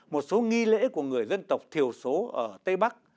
một số nghi lễ của người dân tộc thiểu số ở tây bắc